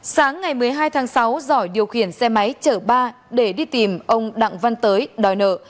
sáng ngày một mươi hai tháng sáu giỏi điều khiển xe máy chở ba để đi tìm ông đặng văn tới đòi nợ